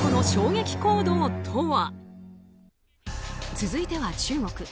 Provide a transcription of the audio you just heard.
続いては中国。